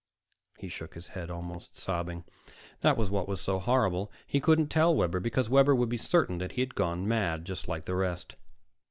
He shook his head, almost sobbing. That was what was so horrible. He couldn't tell Webber, because Webber would be certain that he had gone mad, just like the rest.